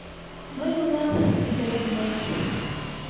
Мый улам, ӱдырем, мый...